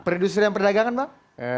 perindustrian perdagangan bang